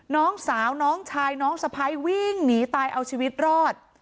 น้องสาวน้องชายน้องสะพ้ายวิ่งหนีตายเอาชีวิตรอด